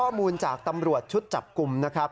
ข้อมูลจากตำรวจชุดจับกลุ่มนะครับ